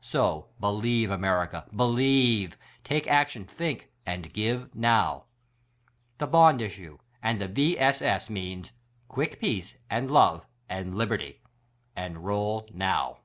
So, believe America, believe ; take action ; think — and give, now ! The Bond issue, and the V. S. S. means : Quick peace, and love, and — liberty. Enroll now